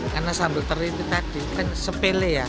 karena sambal teri itu tadi kan sepele ya